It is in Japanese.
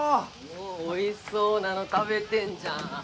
おっおいしそうなの食べてんじゃん。